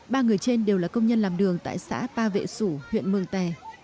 ba người trên đều là công nhân làm đường tại xã ba vệ sủ huyện mường tè